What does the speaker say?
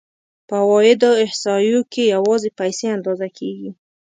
په عوایدو احصایو کې یوازې پیسې اندازه کېږي